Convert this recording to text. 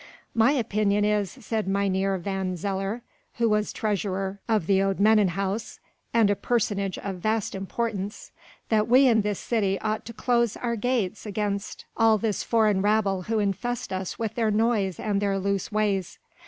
"My opinion is," said Mynheer van Zeller, who was treasurer of the Oudemannenhuis and a personage of vast importance, "that we in this city ought to close our gates against all this foreign rabble who infest us with their noise and their loose ways.